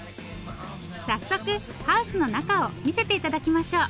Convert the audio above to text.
早速ハウスの中を見せて頂きましょう。